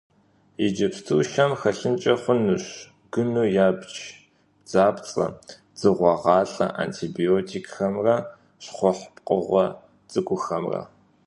Иджыпсту шэм хэлъынкӀэ хъунущ гыну ябж бдзапцӀэ, дзыгъуэгъалӀэ, антибиотикхэмрэ щхъухь пкъыгъуэ цӀыкӀухэмрэ.